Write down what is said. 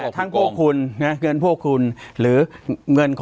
ปากกับภาคภูมิ